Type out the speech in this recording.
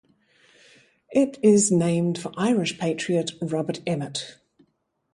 It is named for Irish patriot Robert Emmet.